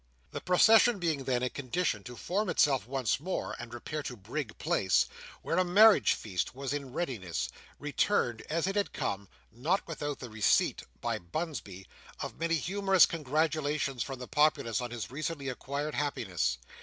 The procession being then in a condition to form itself once more, and repair to Brig Place, where a marriage feast was in readiness, returned as it had come; not without the receipt, by Bunsby, of many humorous congratulations from the populace on his recently acquired happiness.